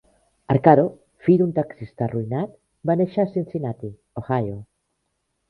Arcaro, fill d'un taxista arruïnat, va néixer a Cincinnati, Ohio.